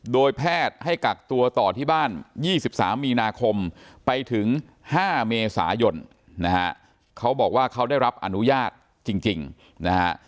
โดยแพทย์ให้กักตัวต่อที่บ้าน๒๓มีนาคมไปถึง๕เมษายนนะฮะเขาบอกว่าเขาได้รับอนุญาตจริงนะฮะ